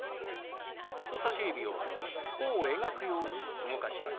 人さし指を弧を描くように動かします。